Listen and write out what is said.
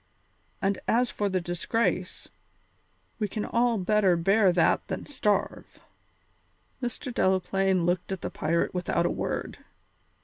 And as for the disgrace, we can all better bear that than starve." Mr. Delaplaine looked at the pirate without a word.